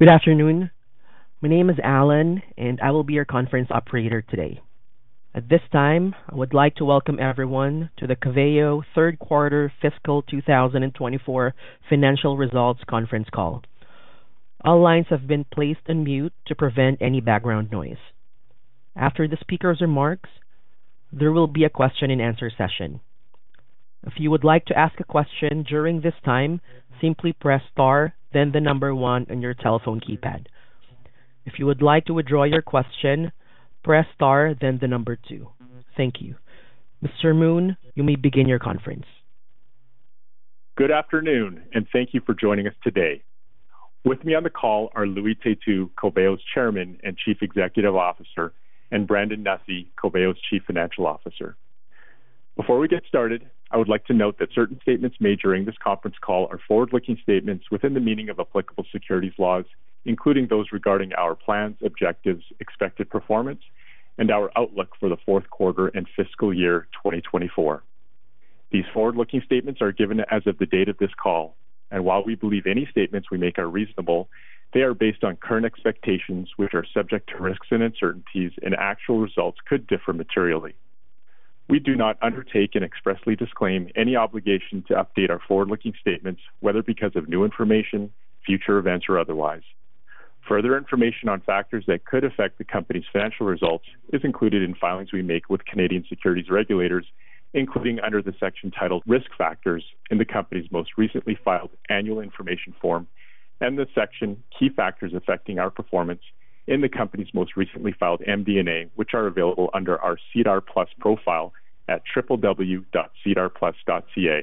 Good afternoon. My name is Alan, and I will be your conference operator today. At this time, I would like to welcome everyone to the Coveo third quarter fiscal 2024 financial results conference call. All lines have been placed on mute to prevent any background noise. After the speaker's remarks, there will be a question-and-answer session. If you would like to ask a question during this time, simply press Star, then the number one on your telephone keypad. If you would like to withdraw your question, press Star, then the number two. Thank you. Mr. Moon, you may begin your conference. Good afternoon, and thank you for joining us today. With me on the call are Louis Têtu, Coveo's Chairman and Chief Executive Officer, and Brandon Nussey, Coveo's Chief Financial Officer. Before we get started, I would like to note that certain statements made during this conference call are forward-looking statements within the meaning of applicable securities laws, including those regarding our plans, objectives, expected performance, and our outlook for the fourth quarter and fiscal year 2024. These forward-looking statements are given as of the date of this call, and while we believe any statements we make are reasonable, they are based on current expectations, which are subject to risks and uncertainties, and actual results could differ materially. We do not undertake and expressly disclaim any obligation to update our forward-looking statements, whether because of new information, future events, or otherwise. Further information on factors that could affect the company's financial results is included in filings we make with Canadian securities regulators, including under the section titled Risk Factors in the company's most recently filed annual information form and the section Key Factors Affecting Our Performance in the company's most recently filed MD&A, which are available under our SEDAR+ profile at www.sedarplus.ca.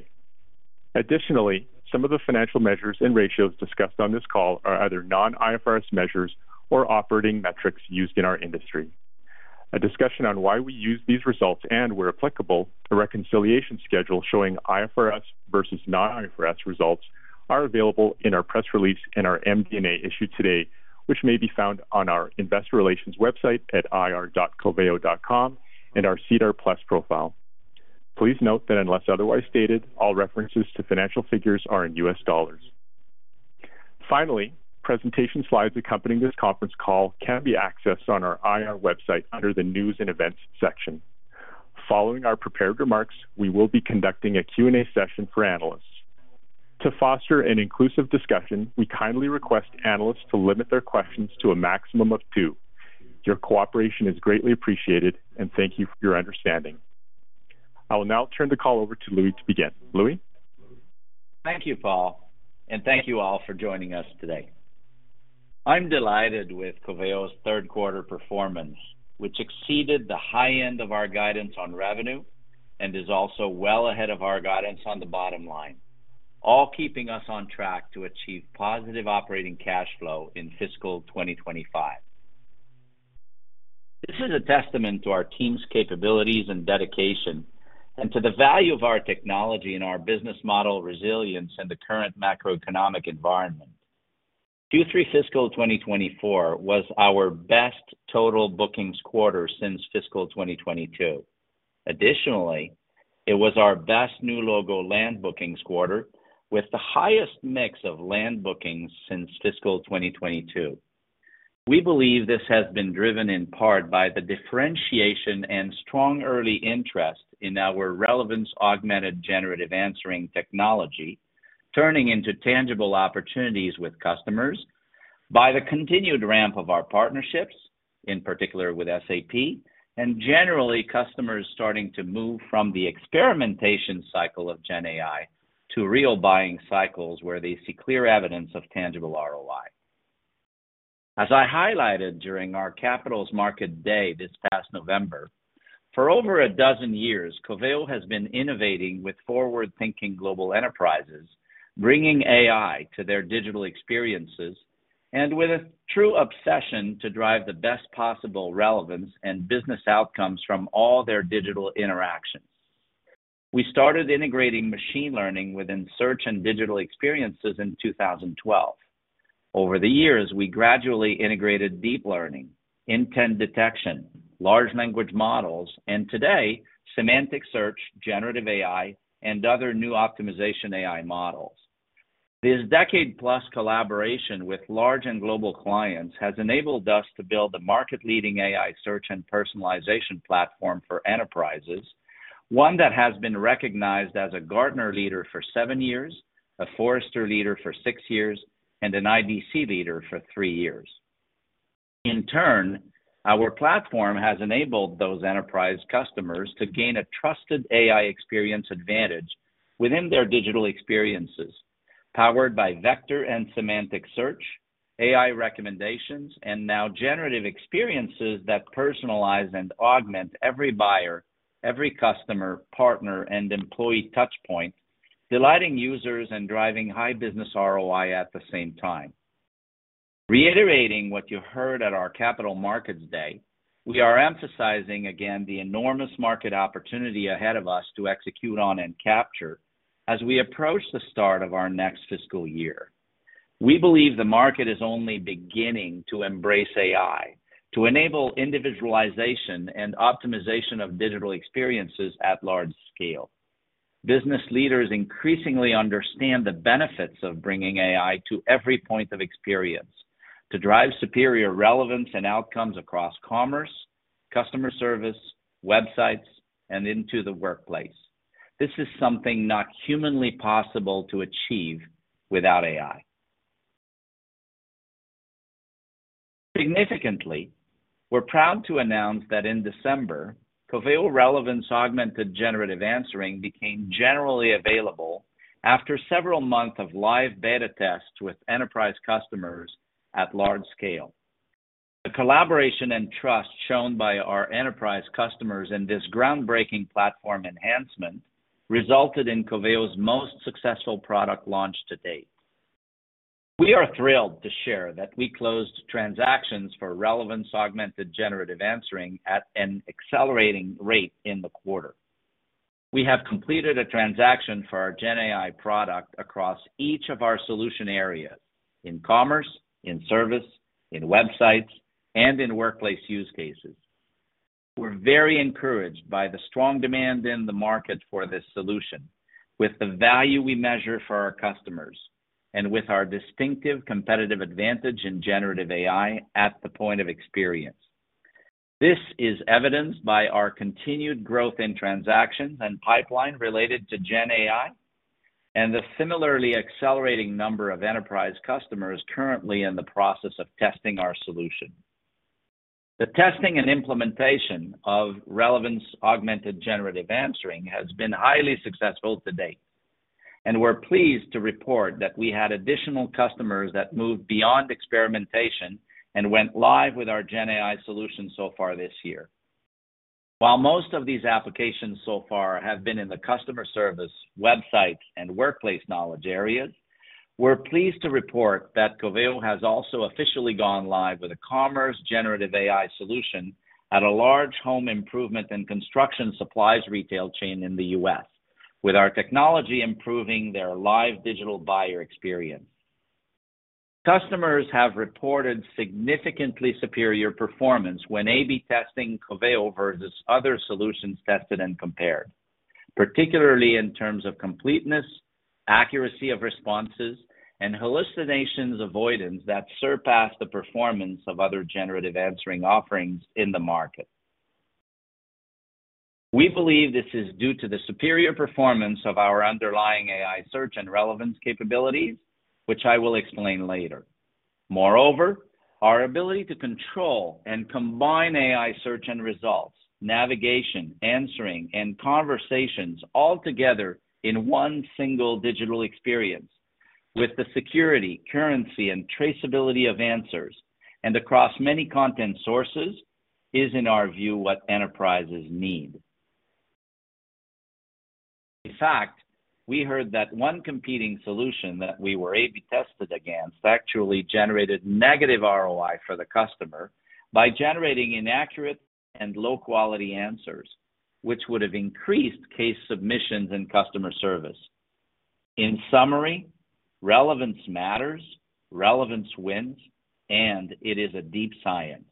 Additionally, some of the financial measures and ratios discussed on this call are either non-IFRS measures or operating metrics used in our industry. A discussion on why we use these results and, where applicable, the reconciliation schedule showing IFRS versus non-IFRS results are available in our press release and our MD&A issued today, which may be found on our investor relations website at ir.coveo.com and our SEDAR+ profile. Please note that unless otherwise stated, all references to financial figures are in U.S. dollars. Finally, presentation slides accompanying this conference call can be accessed on our IR website under the News and Events section. Following our prepared remarks, we will be conducting a Q&A session for analysts. To foster an inclusive discussion, we kindly request analysts to limit their questions to a maximum of two. Your cooperation is greatly appreciated, and thank you for your understanding. I will now turn the call over to Louis to begin. Louis? Thank you, Paul, and thank you all for joining us today. I'm delighted with Coveo's third quarter performance, which exceeded the high end of our guidance on revenue and is also well ahead of our guidance on the bottom line, all keeping us on track to achieve positive operating cash flow in fiscal 2025. This is a testament to our team's capabilities and dedication and to the value of our technology and our business model resilience in the current macroeconomic environment. Q3 fiscal 2024 was our best total bookings quarter since fiscal 2022. Additionally, it was our best new logo land bookings quarter, with the highest mix of land bookings since fiscal 2022. We believe this has been driven in part by the differentiation and strong early interest in our Relevance-Augmented Generative Answering Technology, turning into tangible opportunities with customers by the continued ramp of our partnerships, in particular with SAP, and generally, customers starting to move from the experimentation cycle of GenAI to real buying cycles, where they see clear evidence of tangible ROI. As I highlighted during our Capital Markets Day this past November, for over a dozen years, Coveo has been innovating with forward-thinking global enterprises, bringing AI to their digital experiences and with a true obsession to drive the best possible relevance and business outcomes from all their digital interactions. We started integrating machine learning within search and digital experiences in 2012. Over the years, we gradually integrated deep learning, intent detection, large language models, and today, semantic search, generative AI, and other new optimization AI models. This decade-plus collaboration with large and global clients has enabled us to build a market-leading AI search and personalization platform for enterprises, one that has been recognized as a Gartner leader for seven years, a Forrester leader for six years, and an IDC leader for three years. In turn, our platform has enabled those enterprise customers to gain a trusted AI experience advantage within their digital experiences, powered by vector and semantic search, AI recommendations, and now generative experiences that personalize and augment every buyer, every customer, partner, and employee touchpoint, delighting users and driving high business ROI at the same time. Reiterating what you heard at our Capital Markets Day, we are emphasizing again the enormous market opportunity ahead of us to execute on and capture as we approach the start of our next fiscal year. We believe the market is only beginning to embrace AI to enable individualization and optimization of digital experiences at large scale. Business leaders increasingly understand the benefits of bringing AI to every point of experience, to drive superior relevance and outcomes across commerce, customer service, websites, and into the workplace. This is something not humanly possible to achieve without AI. Significantly, we're proud to announce that in December, Coveo Relevance-Augmented Generative Answering became generally available after several months of live beta tests with enterprise customers at large scale. The collaboration and trust shown by our enterprise customers in this groundbreaking platform enhancement resulted in Coveo's most successful product launch to date. We are thrilled to share that we closed transactions for Relevance-Augmented Generative Answering at an accelerating rate in the quarter. We have completed a transaction for our GenAI product across each of our solution areas: in commerce, in service, in websites, and in workplace use cases. We're very encouraged by the strong demand in the market for this solution, with the value we measure for our customers, and with our distinctive competitive advantage in generative AI at the point of experience. This is evidenced by our continued growth in transactions and pipeline related to GenAI, and the similarly accelerating number of enterprise customers currently in the process of testing our solution. The testing and implementation of Relevance-Augmented Generative Answering has been highly successful to date, and we're pleased to report that we had additional customers that moved beyond experimentation and went live with our GenAI solution so far this year. While most of these applications so far have been in the customer service, websites, and workplace knowledge areas, we're pleased to report that Coveo has also officially gone live with a commerce generative AI solution at a large home improvement and construction supplies retail chain in the U.S., with our technology improving their live digital buyer experience. Customers have reported significantly superior performance when A/B testing Coveo versus other solutions tested and compared, particularly in terms of completeness, accuracy of responses, and hallucinations avoidance that surpass the performance of other generative answering offerings in the market. We believe this is due to the superior performance of our underlying AI search and relevance capabilities, which I will explain later. Moreover, our ability to control and combine AI search end results, navigation, answering, and conversations all together in one single digital experience with the security, currency, and traceability of answers, and across many content sources, is, in our view, what enterprises need. In fact, we heard that one competing solution that we were A/B tested against actually generated negative ROI for the customer by generating inaccurate and low-quality answers, which would have increased case submissions and customer service. In summary, relevance matters, relevance wins, and it is a deep science.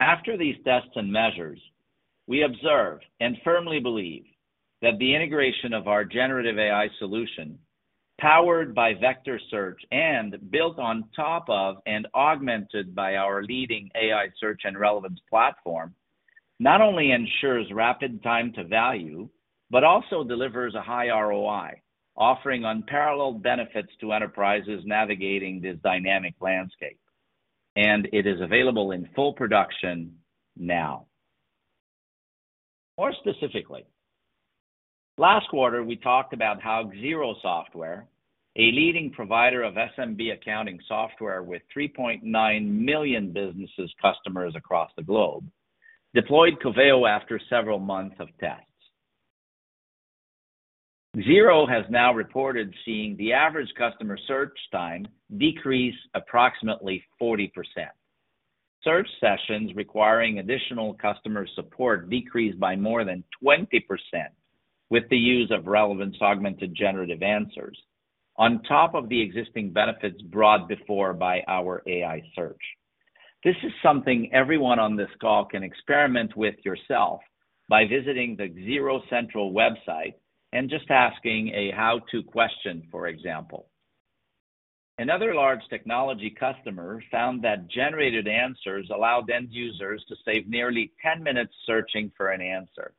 After these tests and measures, we observed and firmly believe that the integration of our generative AI solution, powered by vector search and built on top of and augmented by our leading AI search and relevance platform, not only ensures rapid time to value, but also delivers a high ROI, offering unparalleled benefits to enterprises navigating this dynamic landscape, and it is available in full production now. More specifically, last quarter, we talked about how Xero Software, a leading provider of SMB accounting software with 3.9 million business customers across the globe, deployed Coveo after several months of tests. Xero has now reported seeing the average customer search time decrease approximately 40%. Search sessions requiring additional customer support decreased by more than 20% with the use of Relevance-Augmented Generative Answers, on top of the existing benefits brought before by our AI search. This is something everyone on this call can experiment with yourself by visiting the Xero Central website and just asking a how-to question, for example. Another large technology customer found that generated answers allowed end users to save nearly 10 minutes searching for an answer.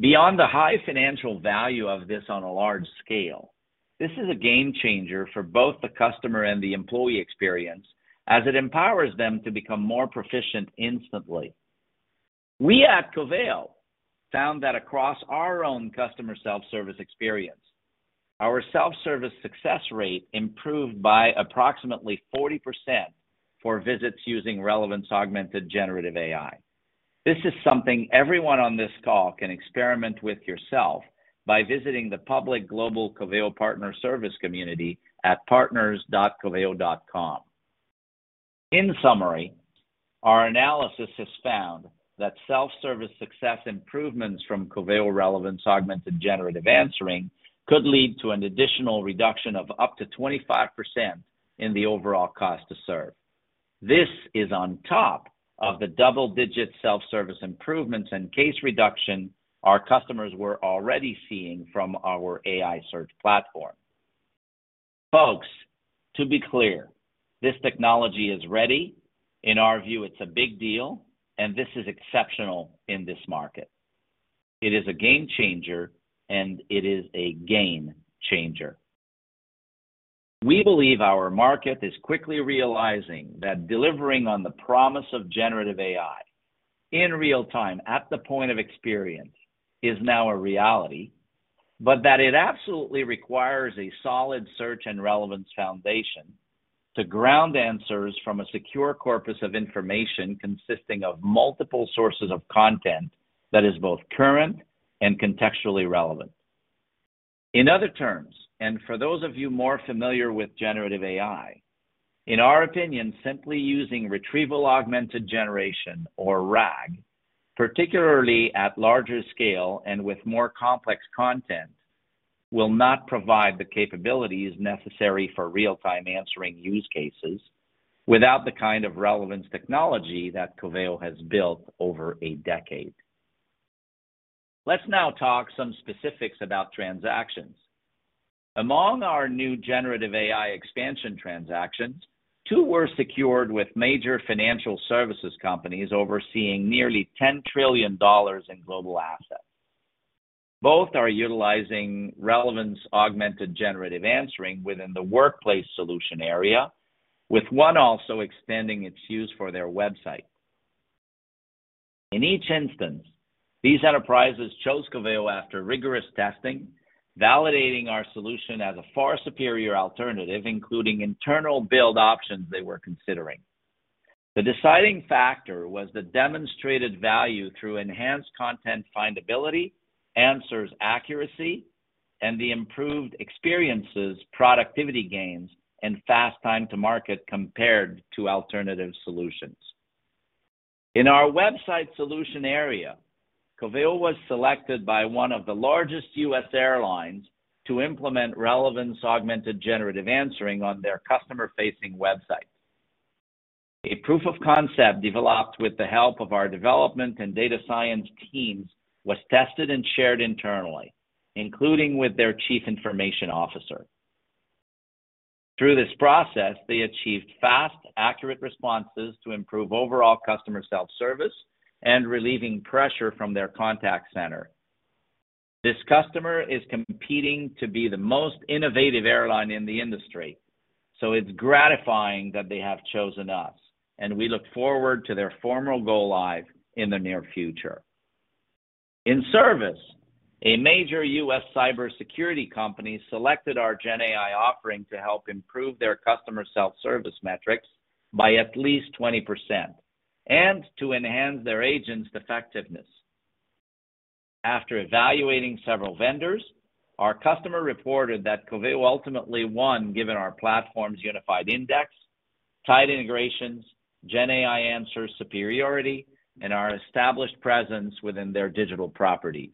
Beyond the high financial value of this on a large scale, this is a game changer for both the customer and the employee experience as it empowers them to become more proficient instantly. We at Coveo found that across our own customer self-service experience, our self-service success rate improved by approximately 40% for visits using Relevance-Augmented Generative AI. This is something everyone on this call can experiment with yourself by visiting the public global Coveo Partner Service community at partners.coveo.com. In summary, our analysis has found that self-service success improvements from Coveo Relevance-Augmented Generative Answering could lead to an additional reduction of up to 25% in the overall cost to serve. This is on top of the double-digit self-service improvements and case reduction our customers were already seeing from our AI search platform. Folks, to be clear, this technology is ready. In our view, it's a big deal, and this is exceptional in this market. It is a game changer, and it is a gain changer. We believe our market is quickly realizing that delivering on the promise of generative AI in real time, at the point of experience, is now a reality, but that it absolutely requires a solid search and relevance foundation to ground answers from a secure corpus of information consisting of multiple sources of content that is both current and contextually relevant. In other terms, and for those of you more familiar with generative AI, in our opinion, simply using Retrieval-Augmented Generation, or RAG, particularly at larger scale and with more complex content, will not provide the capabilities necessary for real-time answering use cases without the kind of relevance technology that Coveo has built over a decade. Let's now talk some specifics about transactions. Among our new generative AI expansion transactions, two were secured with major financial services companies overseeing nearly $10 trillion in global assets. Both are utilizing Relevance-Augmented Generative Answering within the workplace solution area, with one also extending its use for their website. In each instance, these enterprises chose Coveo after rigorous testing, validating our solution as a far superior alternative, including internal build options they were considering. The deciding factor was the demonstrated value through enhanced content findability, answers accuracy, and the improved experiences, productivity gains, and fast time to market compared to alternative solutions. In our website solution area, Coveo was selected by one of the largest U.S. airlines to implement Relevance-Augmented Generative Answering on their customer-facing website. A proof of concept developed with the help of our development and data science teams was tested and shared internally, including with their chief information officer. Through this process, they achieved fast, accurate responses to improve overall customer self-service and relieving pressure from their contact center. This customer is competing to be the most innovative airline in the industry, so it's gratifying that they have chosen us, and we look forward to their formal go live in the near future. In service, a major U.S. cybersecurity company selected our GenAI offering to help improve their customer self-service metrics by at least 20% and to enhance their agents' effectiveness. After evaluating several vendors, our customer reported that Coveo ultimately won, given our platform's unified index, tight integrations, GenAI answer superiority, and our established presence within their digital properties.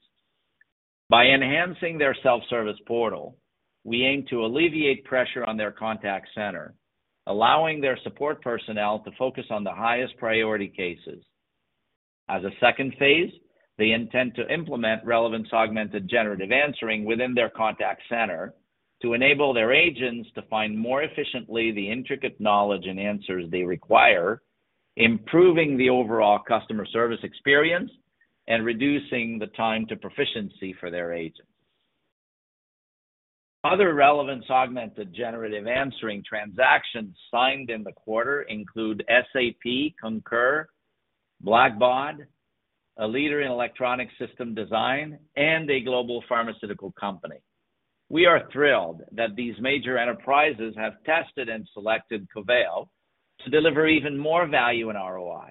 By enhancing their self-service portal, we aim to alleviate pressure on their contact center, allowing their support personnel to focus on the highest priority cases. As a second phase, they intend to implement Relevance-Augmented Generative Answering within their contact center to enable their agents to find more efficiently the intricate knowledge and answers they require, improving the overall customer service experience and reducing the time to proficiency for their agents. Other Relevance-Augmented Generative Answering transactions signed in the quarter include SAP Concur, Blackbaud, a leader in electronic system design, and a global pharmaceutical company. We are thrilled that these major enterprises have tested and selected Coveo to deliver even more value in ROI,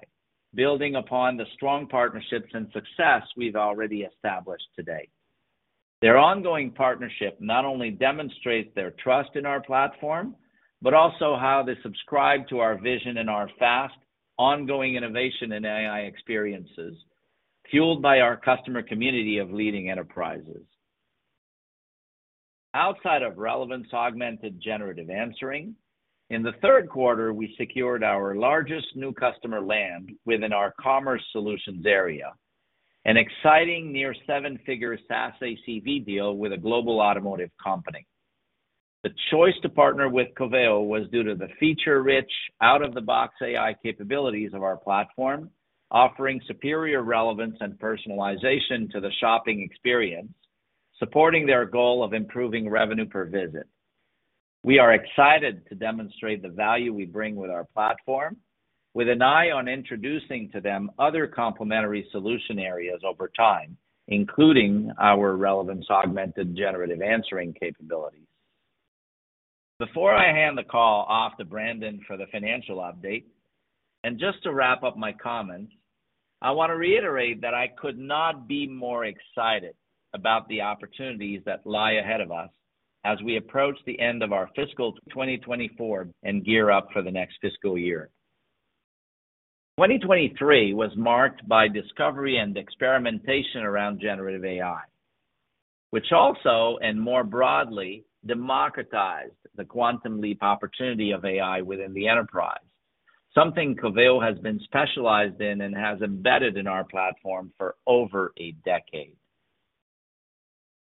building upon the strong partnerships and success we've already established today. Their ongoing partnership not only demonstrates their trust in our platform, but also how they subscribe to our vision and our fast, ongoing innovation in AI experiences, fueled by our customer community of leading enterprises. Outside of Relevance-Augmented Generative Answering, in the third quarter, we secured our largest new customer land within our commerce solutions area, an exciting near seven-figure SaaS ACV deal with a global automotive company. The choice to partner with Coveo was due to the feature-rich, out-of-the-box AI capabilities of our platform, offering superior relevance and personalization to the shopping experience, supporting their goal of improving revenue per visit. We are excited to demonstrate the value we bring with our platform, with an eye on introducing to them other complementary solution areas over time, including our Relevance-Augmented Generative Answering capabilities. Before I hand the call off to Brandon for the financial update, and just to wrap up my comments, I want to reiterate that I could not be more excited about the opportunities that lie ahead of us as we approach the end of our fiscal 2024 and gear up for the next fiscal year. 2023 was marked by discovery and experimentation around generative AI, which also, and more broadly, democratized the quantum leap opportunity of AI within the enterprise, something Coveo has been specialized in and has embedded in our platform for over a decade.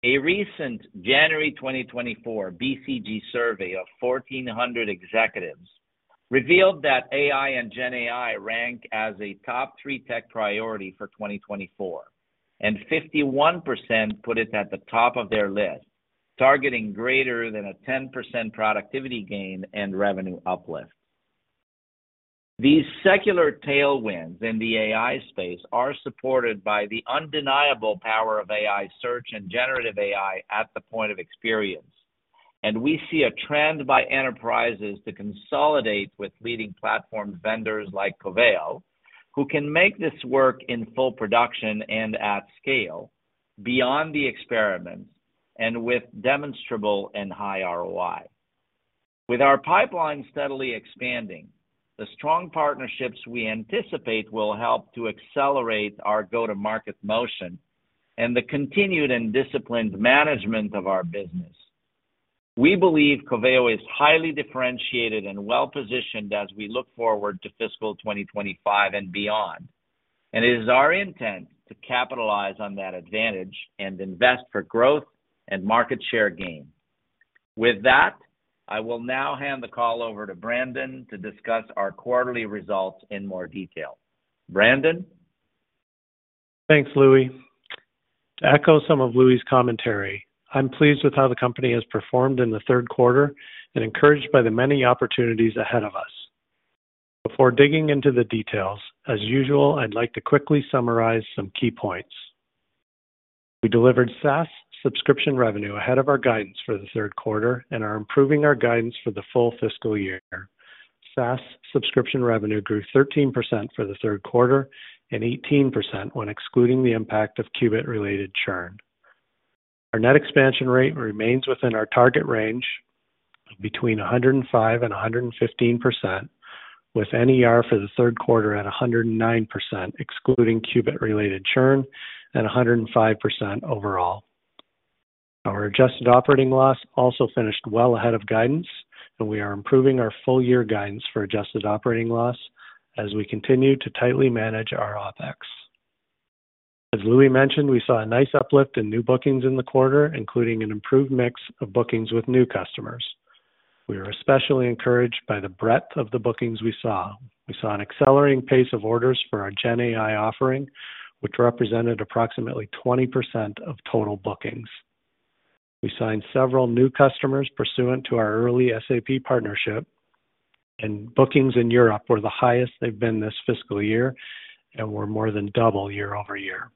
A recent January 2024 BCG survey of 1,400 executives revealed that AI and GenAI rank as a top three tech priority for 2024, and 51% put it at the top of their list, targeting greater than a 10% productivity gain and revenue uplift. These secular tailwinds in the AI space are supported by the undeniable power of AI search and generative AI at the point of experience. We see a trend by enterprises to consolidate with leading platform vendors like Coveo, who can make this work in full production and at scale beyond the experiments and with demonstrable and high ROI. With our pipeline steadily expanding, the strong partnerships we anticipate will help to accelerate our go-to-market motion and the continued and disciplined management of our business. We believe Coveo is highly differentiated and well-positioned as we look forward to fiscal 2025 and beyond, and it is our intent to capitalize on that advantage and invest for growth and market share gain. With that, I will now hand the call over to Brandon to discuss our quarterly results in more detail. Brandon? Thanks, Louis. To echo some of Louis' commentary, I'm pleased with how the company has performed in the third quarter and encouraged by the many opportunities ahead of us. Before digging into the details, as usual, I'd like to quickly summarize some key points. We delivered SaaS subscription revenue ahead of our guidance for the third quarter and are improving our guidance for the full fiscal year. SaaS subscription revenue grew 13% for the third quarter and 18% when excluding the impact of Qubit-related churn. Our net expansion rate remains within our target range of between 105% and 115%, with NER for the third quarter at 109%, excluding Qubit-related churn, and 105% overall. Our adjusted operating loss also finished well ahead of guidance, and we are improving our full-year guidance for adjusted operating loss as we continue to tightly manage our OpEx. As Louis mentioned, we saw a nice uplift in new bookings in the quarter, including an improved mix of bookings with new customers. We are especially encouraged by the breadth of the bookings we saw. We saw an accelerating pace of orders for our GenAI offering, which represented approximately 20% of total bookings. We signed several new customers pursuant to our early SAP partnership, and bookings in Europe were the highest they've been this fiscal year and were more than double year-over-year.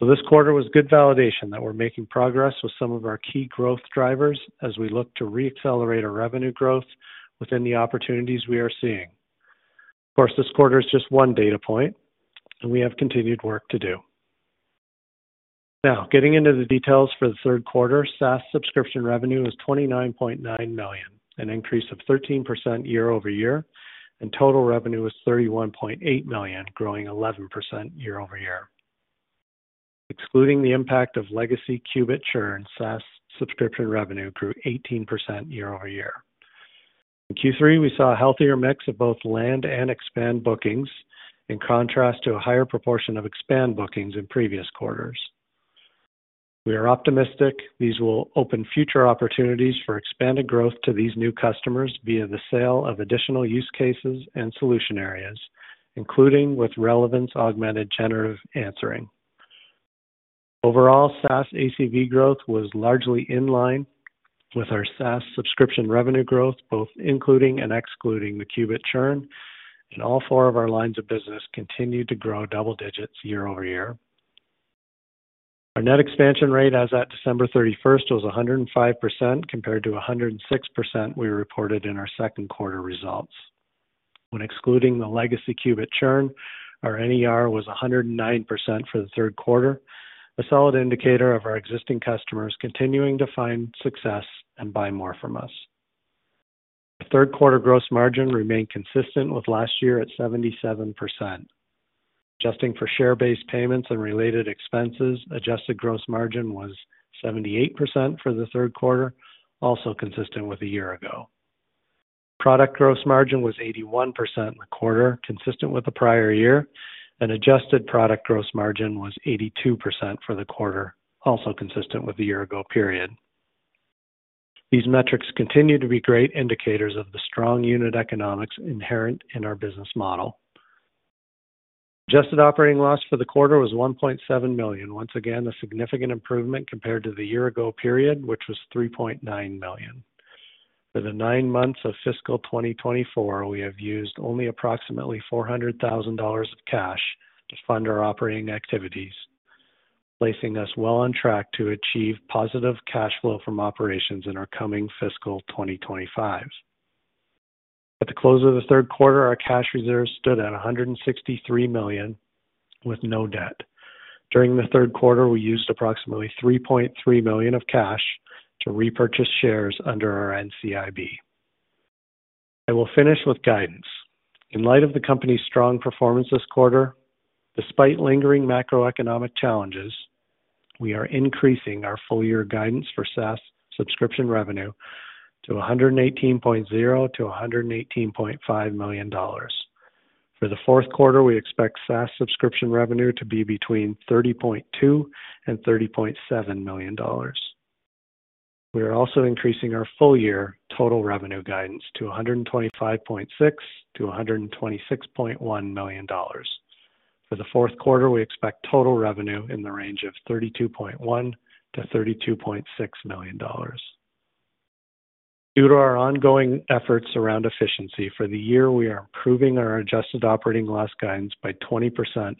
This quarter was good validation that we're making progress with some of our key growth drivers as we look to re-accelerate our revenue growth within the opportunities we are seeing. Of course, this quarter is just one data point, and we have continued work to do. Now, getting into the details for the third quarter, SaaS subscription revenue was $29.9 million, an increase of 13% year-over-year, and total revenue was $31.8 million, growing 11% year-over-year. Excluding the impact of legacy Qubit churn, SaaS subscription revenue grew 18% year-over-year. In Q3, we saw a healthier mix of both land and expand bookings, in contrast to a higher proportion of expand bookings in previous quarters. We are optimistic these will open future opportunities for expanded growth to these new customers via the sale of additional use cases and solution areas, including with Relevance-Augmented Generative Answering. Overall, SaaS ACV growth was largely in line with our SaaS subscription revenue growth, both including and excluding the Qubit churn, and all four of our lines of business continued to grow double digits year-over-year. Our net expansion rate as at December 31st, was 105%, compared to 106% we reported in our second quarter results. When excluding the legacy Qubit churn, our NER was 109% for the third quarter, a solid indicator of our existing customers continuing to find success and buy more from us. The third quarter gross margin remained consistent with last year at 77%. Adjusting for share-based payments and related expenses, adjusted gross margin was 78% for the third quarter, also consistent with a year ago. Product gross margin was 81% in the quarter, consistent with the prior year, and adjusted product gross margin was 82% for the quarter, also consistent with the year ago period. These metrics continue to be great indicators of the strong unit economics inherent in our business model. Adjusted operating loss for the quarter was $1.7 million. Once again, a significant improvement compared to the year ago period, which was $3.9 million. For the nine months of fiscal 2024, we have used only approximately $400,000 of cash to fund our operating activities, placing us well on track to achieve positive cash flow from operations in our coming fiscal 2025. At the close of the third quarter, our cash reserves stood at $163 million, with no debt. During the third quarter, we used approximately $3.3 million of cash to repurchase shares under our NCIB. I will finish with guidance. In light of the company's strong performance this quarter, despite lingering macroeconomic challenges, we are increasing our full year guidance for SaaS subscription revenue to $118.0 million-$118.5 million. For the fourth quarter, we expect SaaS subscription revenue to be between $30.2 million and $30.7 million. We are also increasing our full year total revenue guidance to $125.6 million-$126.1 million. For the fourth quarter, we expect total revenue in the range of $32.1 million-$32.6 million. Due to our ongoing efforts around efficiency for the year, we are improving our adjusted operating loss guidance by 20%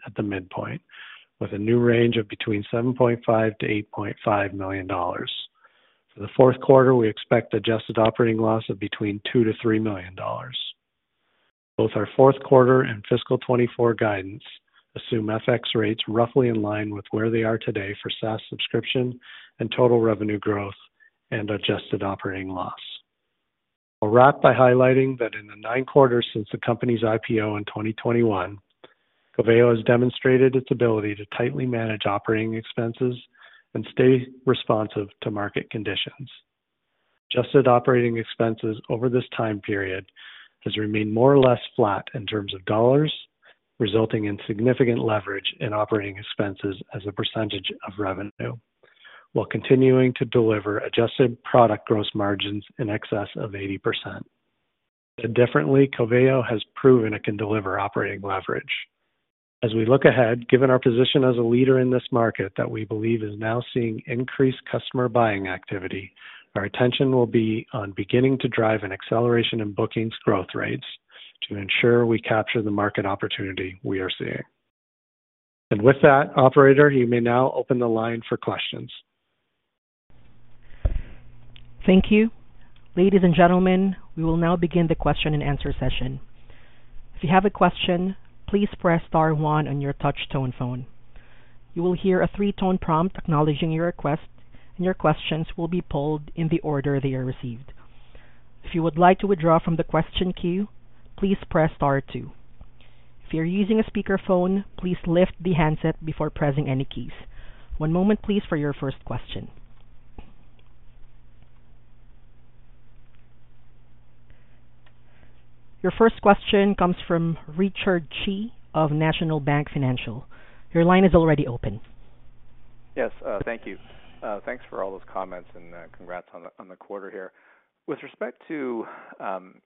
at the midpoint, with a new range of $7.5 million-$8.5 million. For the fourth quarter, we expect adjusted operating loss of $2 million-$3 million. Both our fourth quarter and fiscal 2024 guidance assume FX rates roughly in line with where they are today for SaaS subscription and total revenue growth and adjusted operating loss. I'll wrap by highlighting that in the nine quarters since the company's IPO in 2021, Coveo has demonstrated its ability to tightly manage operating expenses and stay responsive to market conditions. Adjusted operating expenses over this time period has remained more or less flat in terms of dollars, resulting in significant leverage in operating expenses as a percentage of revenue, while continuing to deliver adjusted product gross margins in excess of 80%. Indeed, Coveo has proven it can deliver operating leverage. As we look ahead, given our position as a leader in this market, that we believe is now seeing increased customer buying activity, our attention will be on beginning to drive an acceleration in bookings growth rates to ensure we capture the market opportunity we are seeing. With that, operator, you may now open the line for questions. Thank you. Ladies and gentlemen, we will now begin the question and answer session. If you have a question, please press star one on your touchtone phone. You will hear a three-tone prompt acknowledging your request, and your questions will be pulled in the order they are received. If you would like to withdraw from the question queue, please press star two. If you're using a speakerphone, please lift the handset before pressing any keys. One moment, please, for your first question. Your first question comes from Richard Tse of National Bank Financial. Your line is already open. Yes, thank you. Thanks for all those comments, and congrats on the quarter here. With respect to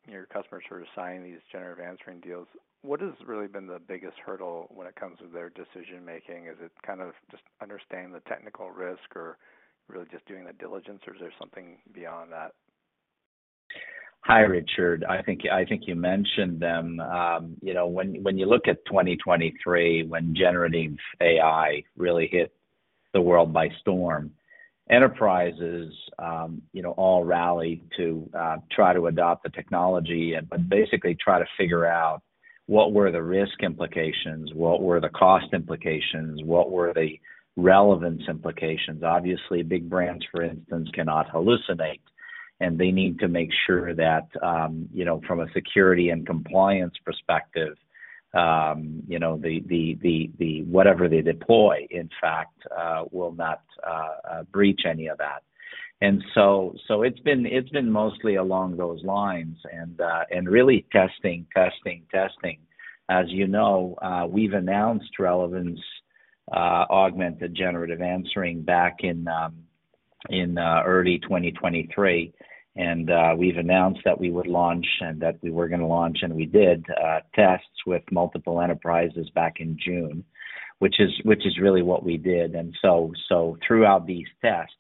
your customers who are signing these generative answering deals, what has really been the biggest hurdle when it comes to their decision-making? Is it kind of just understanding the technical risk or really just doing the diligence, or is there something beyond that? Hi, Richard. I think you mentioned them. You know, when you look at 2023, when generative AI really hit the world by storm, enterprises, you know, all rallied to try to adopt the technology, and but basically try to figure out what were the risk implications, what were the cost implications, what were the relevance implications. Obviously, big brands, for instance, cannot hallucinate, and they need to make sure that, you know, from a security and compliance perspective, you know, the whatever they deploy, in fact, breach any of that. So it's been mostly along those lines and, and really testing, testing, testing. As you know, we've announced Relevance-Augmented Generative Answering back in early 2023. And, we've announced that we would launch and that we were going to launch, and we did tests with multiple enterprises back in June, which is really what we did. So throughout these tests,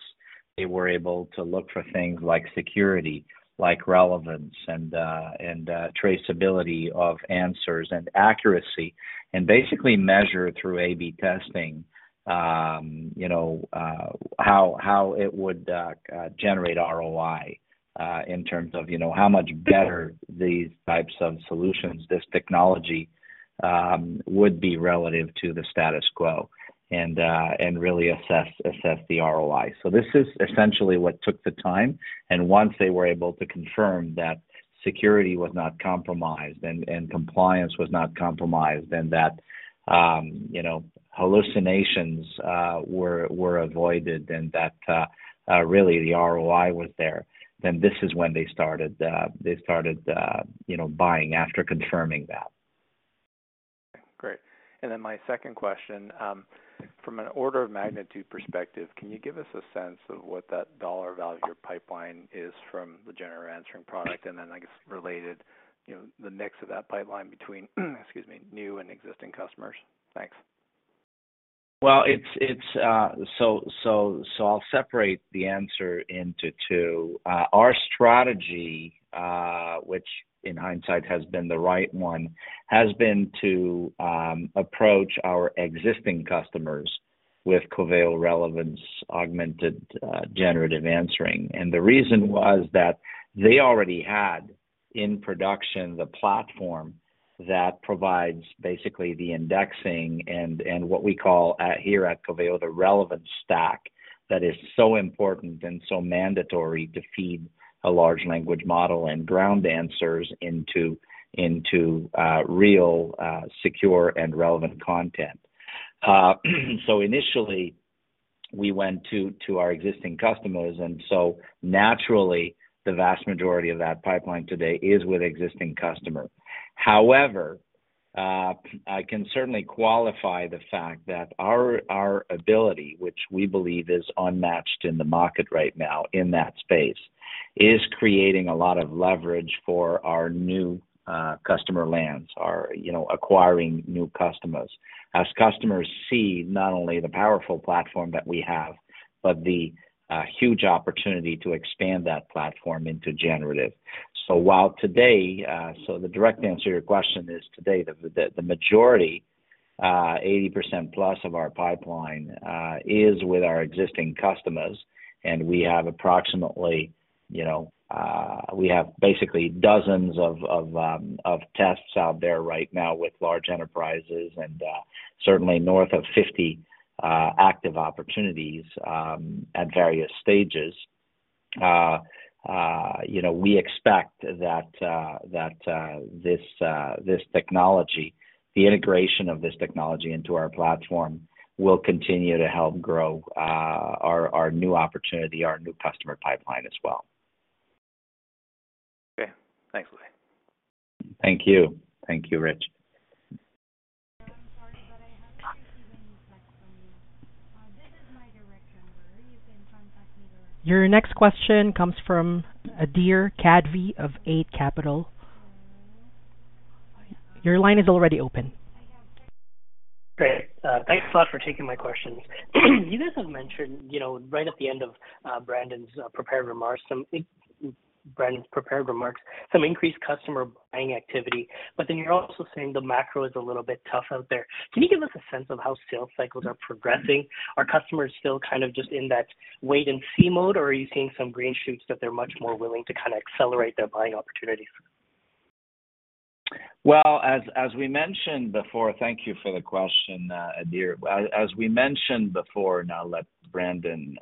they were able to look for things like security, like relevance and traceability of answers and accuracy, and basically measure through A/B testing, you know, how it would generate ROI in terms of, you know, how much better these types of solutions, this technology would be relative to the status quo, and really assess the ROI. So this is essentially what took the time, and once they were able to confirm that security was not compromised and compliance was not compromised, then that, you know, hallucinations were avoided and that really the ROI was there, then this is when they started, you know, buying after confirming that. Great. And then my second question, from an order of magnitude perspective, can you give us a sense of what that dollar value pipeline is from the general answering product? And then, I guess, related, you know, the mix of that pipeline between, excuse me, new and existing customers. Thanks. Well, it's so I'll separate the answer into two. Our strategy, which in hindsight has been the right one, has been to approach our existing customers with Coveo Relevance-Augmented Generative Answering. And the reason was that they already had-... in production, the platform that provides basically the indexing and what we call here at Coveo, the relevant stack that is so important and so mandatory to feed a large language model and ground answers into real secure and relevant content. So initially we went to our existing customers, and so naturally, the vast majority of that pipeline today is with existing customer. However, I can certainly qualify the fact that our ability, which we believe is unmatched in the market right now in that space, is creating a lot of leverage for our new customer lands, you know, acquiring new customers. As customers see not only the powerful platform that we have, but the huge opportunity to expand that platform into generative. So while today, the direct answer to your question is today, the majority, 80%+ of our pipeline, is with our existing customers, and we have approximately, you know, we have basically dozens of tests out there right now with large enterprises and certainly north of 50 active opportunities at various stages. You know, we expect that this technology, the integration of this technology into our platform, will continue to help grow our new opportunity, our new customer pipeline as well. Okay. Thanks, Louis. Thank you. Thank you, Rich. Your next question comes from Adhir Kadve of Eight Capital. Your line is already open. Great. Thanks a lot for taking my questions. You guys have mentioned, you know, right at the end of Brandon's prepared remarks, some increased customer buying activity, but then you're also saying the macro is a little bit tough out there. Can you give us a sense of how sales cycles are progressing? Are customers still kind of just in that wait-and-see mode, or are you seeing some green shoots that they're much more willing to kind of accelerate their buying opportunities? Well, as we mentioned before. Thank you for the question, Adhir. As we mentioned before, and I'll let Brandon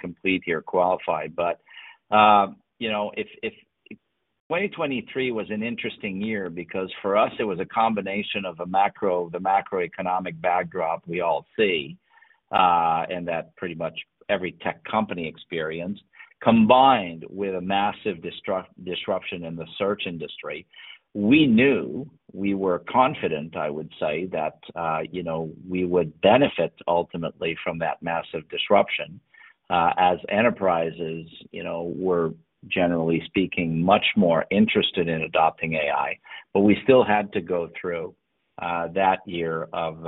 complete here, qualify, but you know, if 2023 was an interesting year because for us, it was a combination of a macro, the macroeconomic backdrop we all see, and that pretty much every tech company experienced, combined with a massive disruption in the search industry. We knew we were confident, I would say, that you know, we would benefit ultimately from that massive disruption, as enterprises you know were, generally speaking, much more interested in adopting AI. But we still had to go through that year of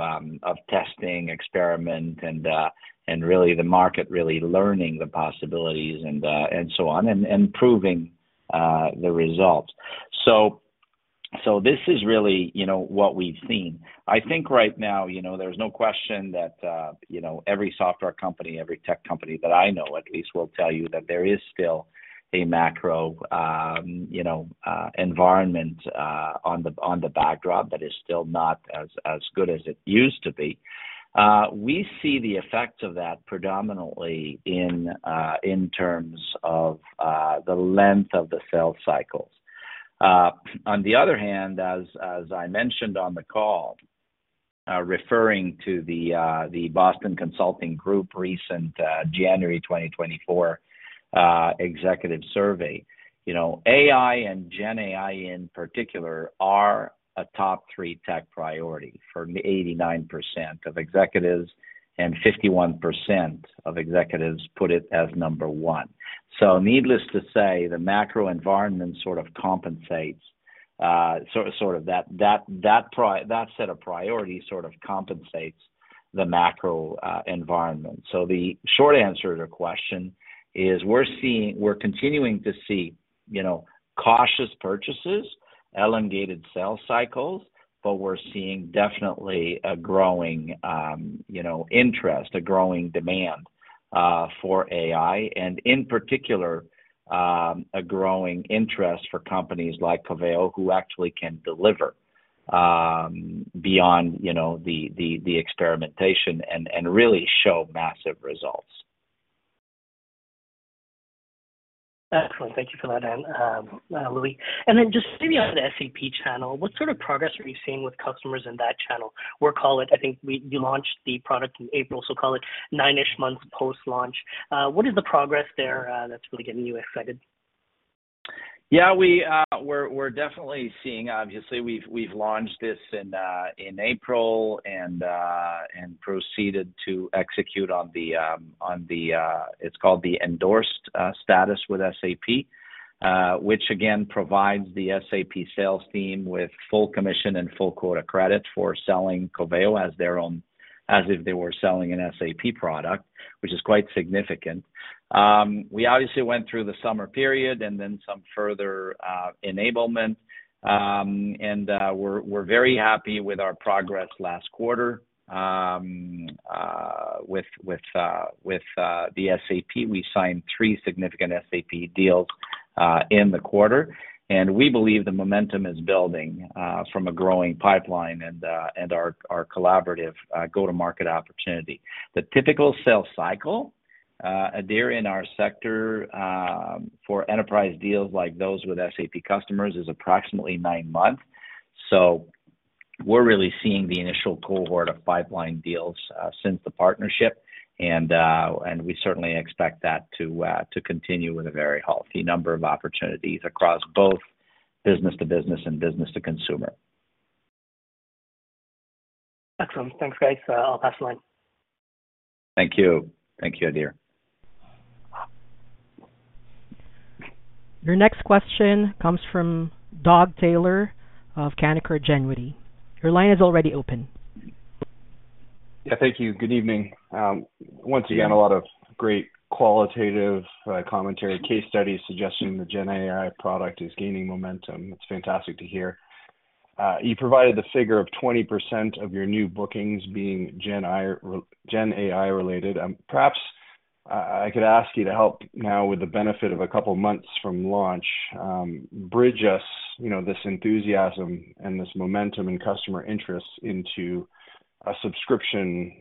testing, experiment, and really, the market really learning the possibilities and so on, and proving the results. So, so this is really, you know, what we've seen. I think right now, you know, there's no question that, you know, every software company, every tech company that I know, at least, will tell you that there is still a macro, you know, environment, on the backdrop that is still not as, as good as it used to be. We see the effects of that predominantly in terms of the length of the sales cycles. On the other hand, as I mentioned on the call, referring to the Boston Consulting Group recent January 2024 executive survey, you know, AI and GenAI, in particular, are a top three tech priority for 89% of executives, and 51% of executives put it as number one. So needless to say, the macro environment sort of compensates sort of that set of priorities sort of compensates the macro environment. So the short answer to your question is we're seeing- we're continuing to see, you know, cautious purchases, elongated sales cycles, but we're seeing definitely a growing, you know, interest, a growing demand for AI, and in particular, a growing interest for companies like Coveo, who actually can deliver beyond, you know, the experimentation and really show massive results. Excellent. Thank you for that, Louis. And then just maybe on the SAP channel, what sort of progress are you seeing with customers in that channel? We'll call it, I think you launched the product in April, so call it nine-ish months post-launch. What is the progress there that's really getting you excited? Yeah, we're definitely seeing obviously, we've launched this in April and proceeded to execute on the. It's called the endorsed status with SAP, which again provides the SAP sales team with full commission and full quota credit for selling Coveo as their own-as if they were selling an SAP product, which is quite significant. We obviously went through the summer period and then some further enablement. We're very happy with our progress last quarter. With the SAP, we signed three significant SAP deals in the quarter, and we believe the momentum is building from a growing pipeline and our collaborative go-to-market opportunity. The typical sales cycle, Adhir, in our sector, for enterprise deals like those with SAP customers, is approximately nine months. So we're really seeing the initial cohort of pipeline deals since the partnership, and we certainly expect that to continue with a very healthy number of opportunities across both business to business and business to consumer. Excellent. Thanks, guys. I'll pass the line. Thank you. Thank you, Adhir. Your next question comes from Doug Taylor of Canaccord Genuity. Your line is already open. Yeah, thank you. Good evening. Once again, a lot of great qualitative commentary, case studies suggesting the GenAI product is gaining momentum. It's fantastic to hear. You provided the figure of 20% of your new bookings being GenAI related. Perhaps I could ask you to help now with the benefit of a couple of months from launch, bridge us, you know, this enthusiasm and this momentum and customer interest into a subscription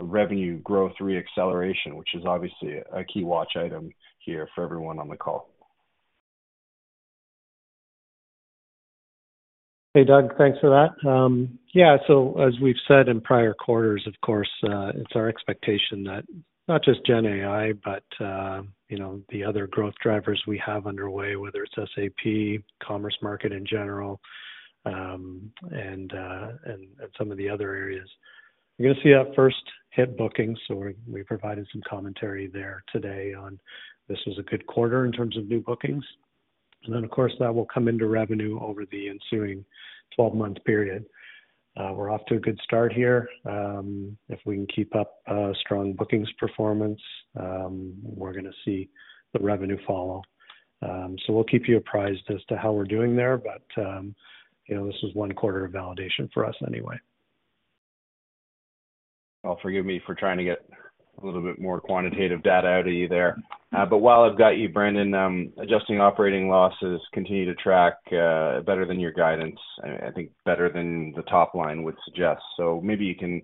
revenue growth reacceleration, which is obviously a key watch item here for everyone on the call. Hey, Doug, thanks for that. Yeah, so as we've said in prior quarters, of course, it's our expectation that not just GenAI, but you know, the other growth drivers we have underway, whether it's SAP, commerce market in general, and some of the other areas. You're going to see that first hit bookings, so we provided some commentary there today on, this was a good quarter in terms of new bookings. And then, of course, that will come into revenue over the ensuing 12-month period. We're off to a good start here. If we can keep up strong bookings performance, we're going to see the revenue follow. So we'll keep you apprised as to how we're doing there, but you know, this is one quarter of validation for us anyway. Well, forgive me for trying to get a little bit more quantitative data out of you there. But while I've got you, Brandon, adjusting operating losses continue to track better than your guidance. I think better than the top line would suggest. So maybe you can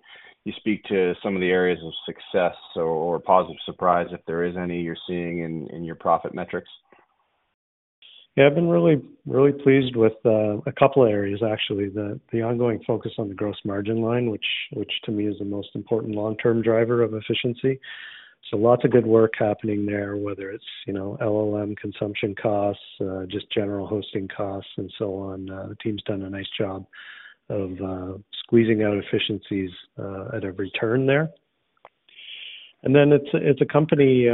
speak to some of the areas of success or positive surprise, if there is any, you're seeing in your profit metrics. Yeah, I've been really, really pleased with a couple of areas, actually. The ongoing focus on the gross margin line, which to me is the most important long-term driver of efficiency. So lots of good work happening there, whether it's, you know, LLM consumption costs, just general hosting costs, and so on. The team's done a nice job of squeezing out efficiencies at every turn there. And then it's a company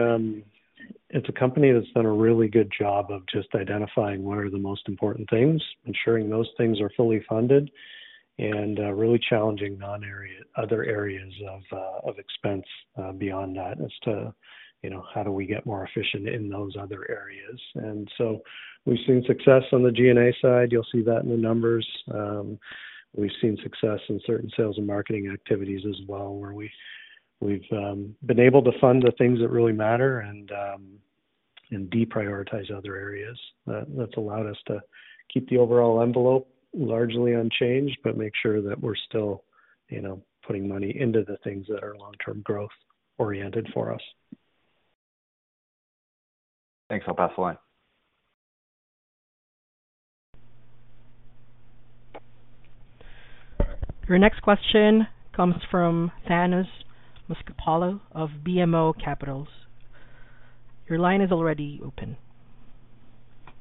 that's done a really good job of just identifying what are the most important things, ensuring those things are fully funded, and really challenging other areas of expense beyond that, as to, you know, how do we get more efficient in those other areas. And so we've seen success on the G&A side. You'll see that in the numbers. We've seen success in certain sales and marketing activities as well, where we've been able to fund the things that really matter and deprioritize other areas. That's allowed us to keep the overall envelope largely unchanged, but make sure that we're still, you know, putting money into the things that are long-term growth oriented for us. Thanks. I'll pass the line. Your next question comes from Thanos Moschopoulos of BMO Capital Markets. Your line is already open.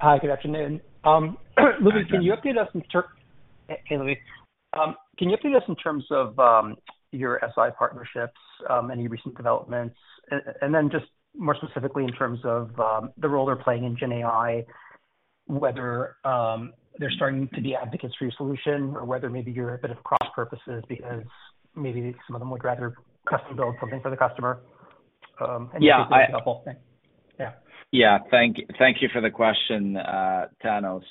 Hi, good afternoon. Louis, can you update us in terms of your SI partnerships, any recent developments? And then just more specifically in terms of the role they're playing in GenAI, whether they're starting to be advocates for your solution, or whether maybe you're a bit at cross-purposes because maybe some of them would rather custom-build something for the customer? Yeah. Yeah. Yeah. Thank you for the question, Thanos.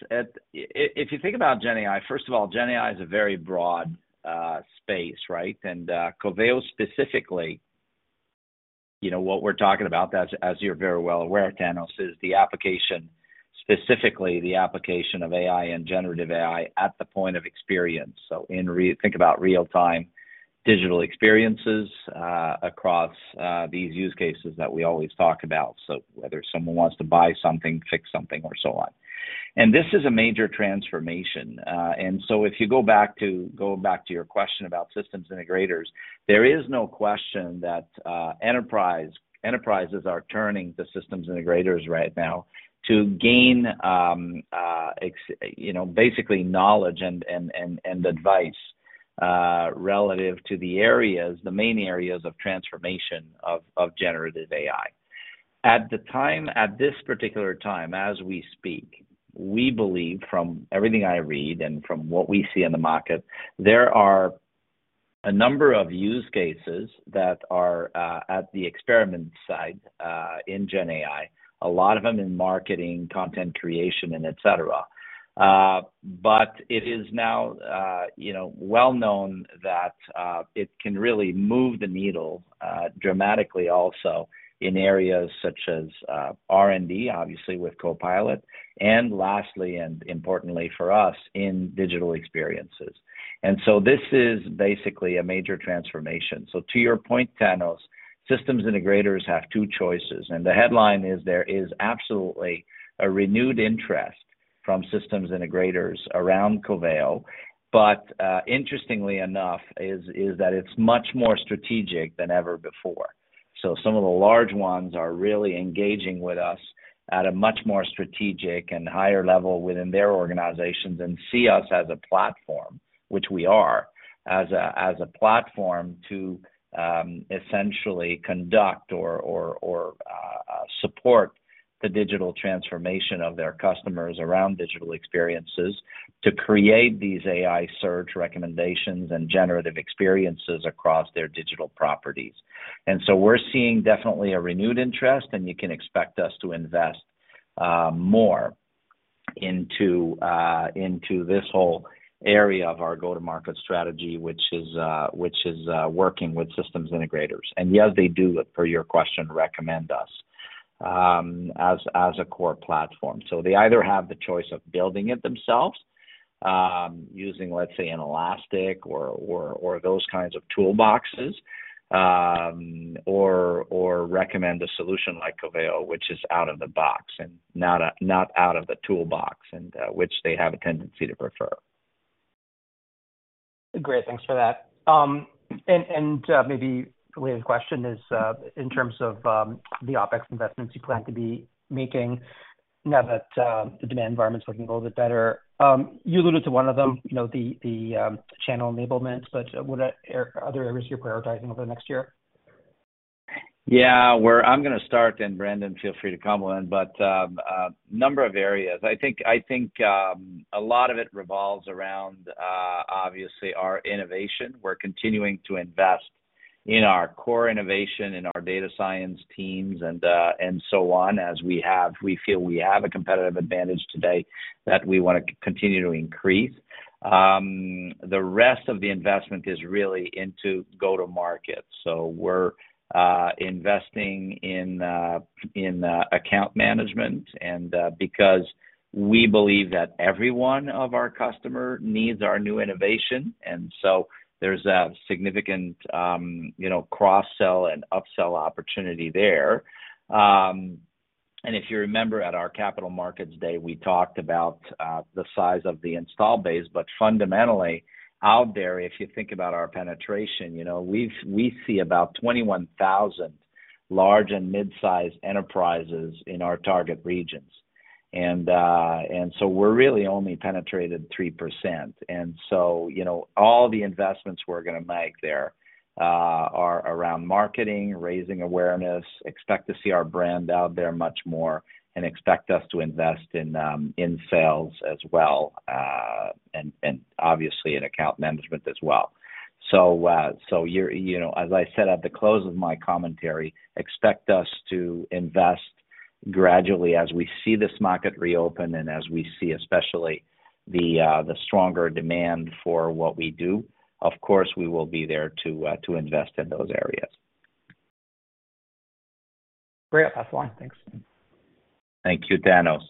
If you think about GenAI, first of all, GenAI is a very broad space, right? And Coveo specifically, you know, what we're talking about, as you're very well aware, Thanos, is the application, specifically the application of AI and generative AI at the point of experience. So think about real-time digital experiences across these use cases that we always talk about. So whether someone wants to buy something, fix something, or so on. And this is a major transformation, and so if you go back to your question about systems integrators, there is no question that enterprises are turning to systems integrators right now to gain ex... You know, basically knowledge and advice relative to the areas, the main areas of transformation of generative AI. At the time, at this particular time, as we speak, we believe from everything I read and from what we see in the market, there are a number of use cases that are at the experiment side in GenAI, a lot of them in marketing, content creation, and et cetera. But it is now, you know, well known that it can really move the needle dramatically also in areas such as R&D, obviously with Copilot, and lastly, and importantly for us, in digital experiences. And so this is basically a major transformation. So to your point, Thanos, systems integrators have two choices, and the headline is: there is absolutely a renewed interest from systems integrators around Coveo. But, interestingly enough, that it's much more strategic than ever before. So some of the large ones are really engaging with us at a much more strategic and higher level within their organizations and see us as a platform, which we are, as a platform to essentially conduct or support the digital transformation of their customers around digital experiences to create these AI search recommendations and generative experiences across their digital properties. And so we're seeing definitely a renewed interest, and you can expect us to invest more into this whole area of our go-to-market strategy, which is working with systems integrators. And yes, they do, per your question, recommend us as a core platform. So they either have the choice of building it themselves, using, let's say, an Elastic or those kinds of toolboxes, or recommend a solution like Coveo, which is out of the box and not out of the toolbox, and which they have a tendency to prefer. Great. Thanks for that. Maybe related question is, in terms of the OpEx investments you plan to be making now that the demand environment is looking a little bit better. You alluded to one of them, you know, the channel enablement, but what are other areas you're prioritizing over the next year? Yeah, where I'm gonna start, and Brandon, feel free to come in, but number of areas. I think a lot of it revolves around obviously our innovation. We're continuing to invest in our core innovation, in our data science teams, and so on, as we have. We feel we have a competitive advantage today that we wanna continue to increase. The rest of the investment is really into go-to-market. So we're investing in account management and because we believe that every one of our customer needs our new innovation, and so there's a significant you know cross-sell and up-sell opportunity there. And if you remember, at our Capital Markets Day, we talked about the size of the install base, but fundamentally, out there, if you think about our penetration, you know, we see about 21,000 large and mid-sized enterprises in our target regions. And so we're really only penetrated 3%. And so, you know, all the investments we're gonna make there are around marketing, raising awareness, expect to see our brand out there much more, and expect us to invest in in sales as well, and obviously in account management as well. So, so you're, you know, as I said at the close of my commentary, expect us to invest gradually as we see this market reopen and as we see, especially the the stronger demand for what we do. Of course, we will be there to invest in those areas. Great. That's fine. Thanks. Thank you, Thanos.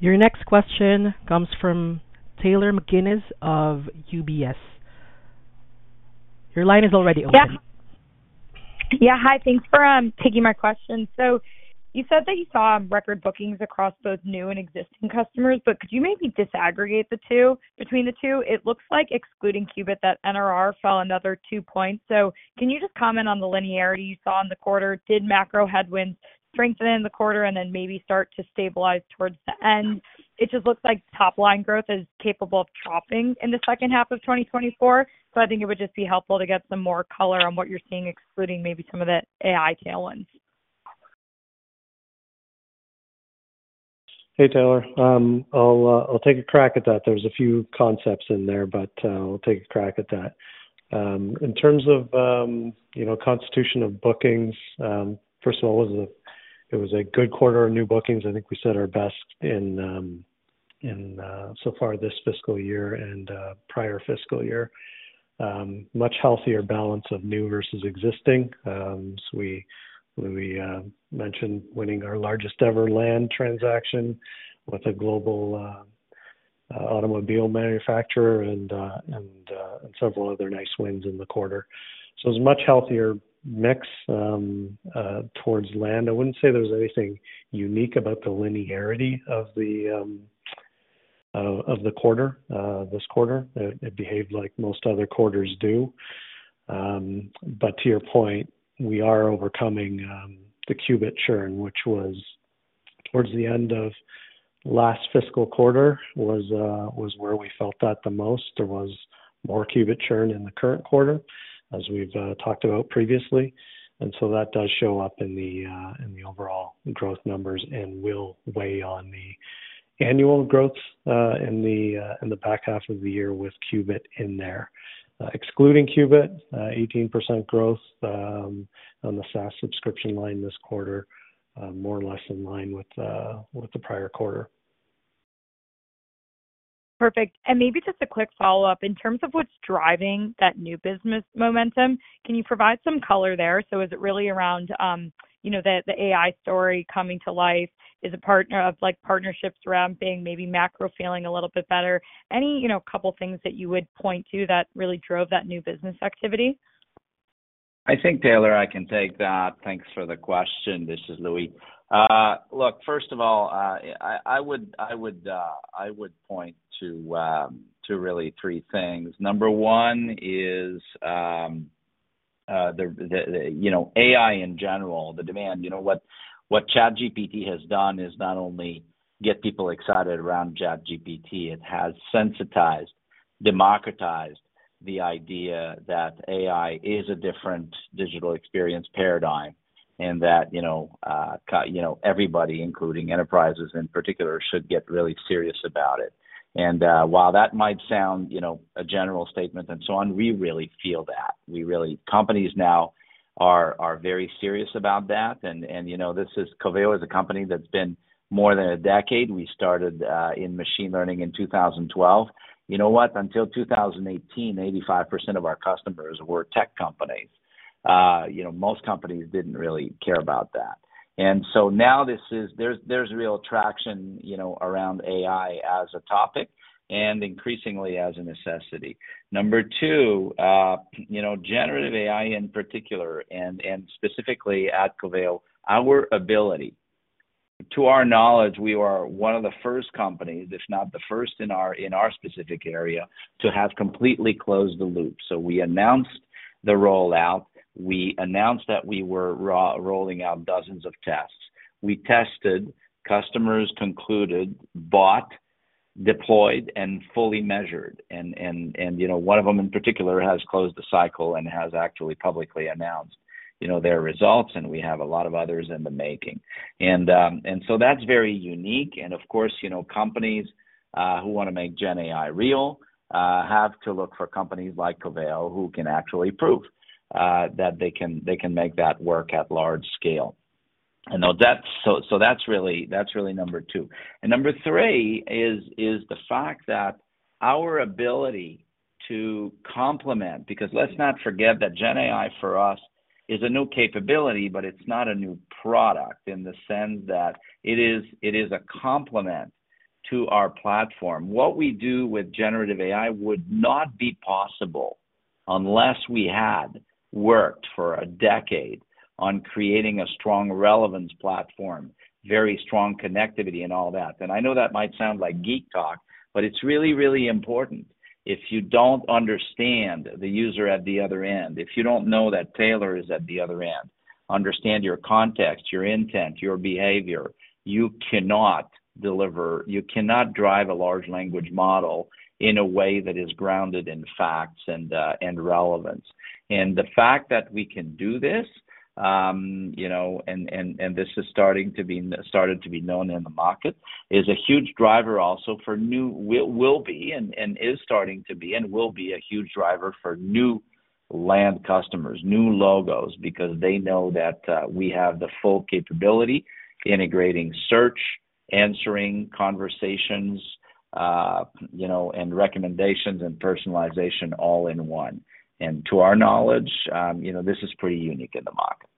Your next question comes from Taylor McGinnis of UBS. Your line is already open. Yeah. Yeah, hi. Thanks for taking my question. So you said that you saw record bookings across both new and existing customers, but could you maybe disaggregate the two? Between the two, it looks like excluding Qubit, that NRR fell another two points. So can you just comment on the linearity you saw in the quarter? Did macro headwinds strengthen in the quarter and then maybe start to stabilize towards the end? It just looks like top-line growth is capable of dropping in the second half of 2024. So I think it would just be helpful to get some more color on what you're seeing, excluding maybe some of the AI tailwinds. Hey, Taylor. I'll take a crack at that. There's a few concepts in there, but I'll take a crack at that. In terms of, you know, constitution of bookings, first of all, it was a good quarter of new bookings. I think we set our best in so far this fiscal year and prior fiscal year. Much healthier balance of new versus existing. So we mentioned winning our largest-ever land transaction with a global automobile manufacturer and several other nice wins in the quarter. So it's a much healthier mix towards land. I wouldn't say there's anything unique about the linearity of the quarter this quarter. It behaved like most other quarters do. To your point, we are overcoming the Qubit churn, which was- ...towards the end of last fiscal quarter was where we felt that the most. There was more Qubit churn in the current quarter, as we've talked about previously. And so that does show up in the overall growth numbers and will weigh on the annual growth in the back half of the year with Qubit in there. Excluding Qubit, 18% growth on the SaaS subscription line this quarter, more or less in line with the prior quarter. Perfect. And maybe just a quick follow-up: in terms of what's driving that new business momentum, can you provide some color there? So is it really around, you know, the AI story coming to life? Is a partner of, like, partnerships ramping, maybe macro feeling a little bit better? Any, you know, couple of things that you would point to that really drove that new business activity. I think, Taylor, I can take that. Thanks for the question. This is Louis. Look, first of all, I would point to really three things. Number one is, you know, the AI in general, the demand. You know, what ChatGPT has done is not only get people excited around ChatGPT, it has sensitized, democratized the idea that AI is a different digital experience paradigm, and that, you know, everybody, including enterprises in particular, should get really serious about it. And, while that might sound, you know, a general statement and so on, we really feel that. We really companies now are very serious about that. And, you know, this is, Coveo is a company that's been more than a decade. We started in machine learning in 2012. You know what? Until 2018, 85% of our customers were tech companies. You know, most companies didn't really care about that. And so now this is... There's real traction, you know, around AI as a topic and increasingly as a necessity. Number two, you know, generative AI in particular, and, and specifically at Coveo, our ability, to our knowledge, we are one of the first companies, if not the first in our, in our specific area, to have completely closed the loop. So we announced the rollout, we announced that we were rolling out dozens of tests. We tested, customers concluded, bought, deployed, and fully measured. You know, one of them in particular has closed the cycle and has actually publicly announced, you know, their results, and we have a lot of others in the making. And so that's very unique. And of course, you know, companies who wanna make GenAI real have to look for companies like Coveo, who can actually prove that they can make that work at large scale. So that's really number two. And number three is the fact that our ability to complement, because let's not forget that GenAI, for us, is a new capability, but it's not a new product, in the sense that it is a complement to our platform. What we do with generative AI would not be possible unless we had worked for a decade on creating a strong relevance platform, very strong connectivity and all that. And I know that might sound like geek talk, but it's really, really important. If you don't understand the user at the other end, if you don't know that Taylor is at the other end, understand your context, your intent, your behavior, you cannot deliver- you cannot drive a large language model in a way that is grounded in facts and, and relevance. The fact that we can do this, you know, and this is starting to be known in the market is a huge driver also for new, will be and is starting to be, and will be a huge driver for new land customers, new logos, because they know that we have the full capability, integrating search, answering conversations, you know, and recommendations and personalization all in one. To our knowledge, you know, this is pretty unique in the market.